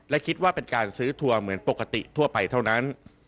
และคิดว่าเป็นการซื้อทัวร์เหมือนปกติทั่วไปเท่านั้น